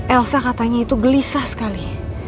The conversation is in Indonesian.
elsa katanya itu gelisah sekali